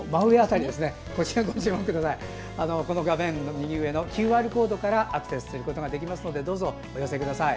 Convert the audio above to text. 画面右上のＱＲコードからアクセスすることができますのでどうぞお寄せください。